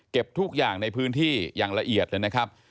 ทุกอย่างในพื้นที่อย่างละเอียดเลยนะครับ